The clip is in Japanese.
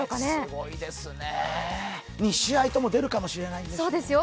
すごいですね、２試合とも出るかもしれないんですよね。